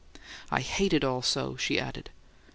"I hate it all so!" she added.